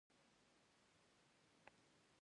د کارګرانو د خوښۍ چیغې د نوي ژوند په مانا وې